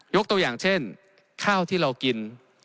ตัวอย่างเช่นข้าวที่เรากิน